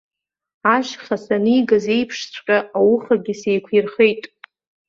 Ашьха санигаз еиԥшҵәҟьа, аухагьы сеиқәирхеит.